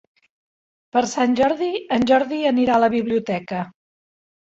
Per Sant Jordi en Jordi anirà a la biblioteca.